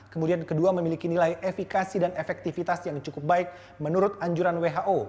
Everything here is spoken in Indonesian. kemudian kedua memiliki nilai efikasi dan efektivitas yang cukup baik menurut anjuran who